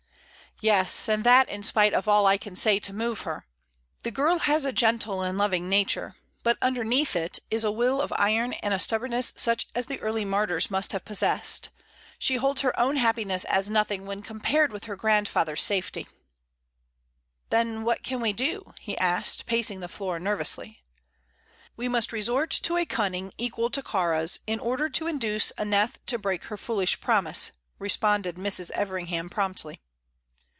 "Yes; and that in spite of all I can say to move her. The girl has a gentle and loving nature, but underneath it is a will of iron and a stubbornness such as the early martyrs must have possessed. She holds her own happiness as nothing when compared with her grandfather's safety." "Then what can we do?" he asked, pacing the floor nervously. "We must resort to a cunning equal to Kāra's in order to induce Aneth to break her foolish promise," responded Mrs. Everingham, promptly.